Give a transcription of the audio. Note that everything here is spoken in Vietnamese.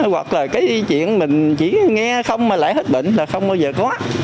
hoặc là cái y chuyện mình chỉ nghe không mà lại hết bệnh là không bao giờ có